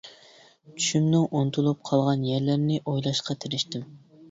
چۈشۈمنىڭ ئۇنتۇلۇپ قالغان يەرلىرىنى ئويلاشقا تىرىشتىم.